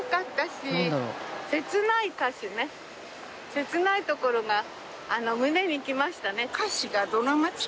切ないところが胸にきましたね。